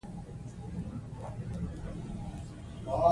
شفاف بهیر د باور جوړولو وسیله ده.